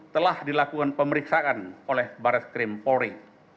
telah dilakukan pemeriksaan oleh baris krim polri